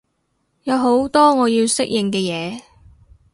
有好多我要適應嘅嘢